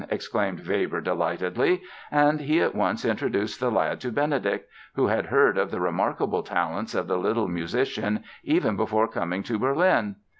exclaimed Weber delightedly, and he at once introduced the lad to Benedict, who had heard of the remarkable talents of the little musician even before coming to Berlin.